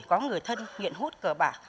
có người thân nghiện hút cờ bạc